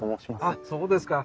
あっそうですか。